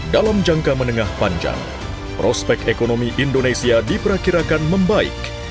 dalam jangka menengah panjang prospek ekonomi indonesia diperkirakan membaik